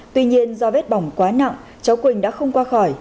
tuy nhiên do vết bỏng quá nặng cháu quỳnh đã không qua khỏi